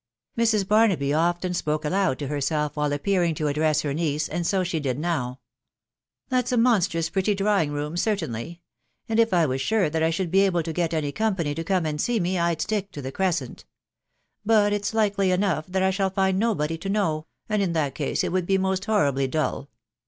Mrs* Barnaby often spot* afoud.to heraelf while appearing to address* he* niece, and. s«t she: did now. . rt That?* aimonstrous pretty drawing room*, certainly ;, and if I was; suvtfttatf I should' be.' able to' get any company to come and* see mo, I'&stidc t* tire GroscenU. ... But itfa likely enough ttort I shalli find nobody to know, and in tint case it would bemestfaoaribly dnlk